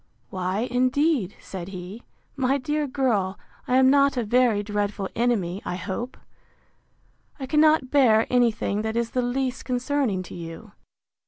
Why, indeed, said he, my dear girl, I am not a very dreadful enemy, I hope! I cannot bear any thing that is the least concerning to you.